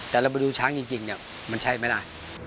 แต่เราไปดูช้างจริงมันใช่ไหมล่ะ